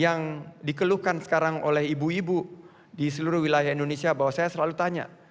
yang dikeluhkan sekarang oleh ibu ibu di seluruh wilayah indonesia bahwa saya selalu tanya